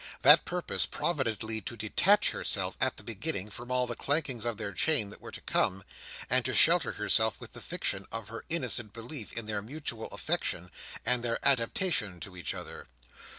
That purpose, providently to detach herself in the beginning from all the clankings of their chain that were to come, and to shelter herself with the fiction of her innocent belief in their mutual affection, and their adaptation to each other.